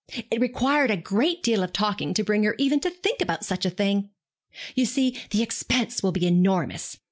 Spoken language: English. It required a great deal of talking to bring her even to think about such a thing. You see the expense will be enormous!